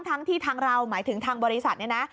ทั้งที่ทางเราหมายถึงทางบริษัทเนี่ยนะ